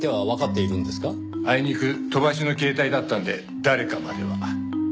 あいにく飛ばしの携帯だったんで誰かまでは。